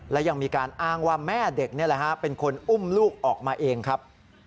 และยังมีการอ้างว่าแม่เด็กนี่แหละฮะเป็นคนอุ้มลูกออกมาเองครับ